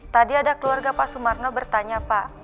tadi ada keluarga pak sumarno bertanya pak